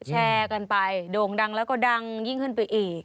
แชร์กันไปโด่งดังแล้วก็ดังยิ่งขึ้นไปอีก